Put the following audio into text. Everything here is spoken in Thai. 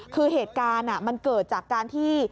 คือเหตุการณ์มันเกิดจากการที่